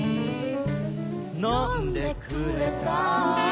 「飲んでくれた」